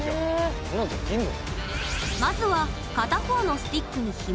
こんなのできんの？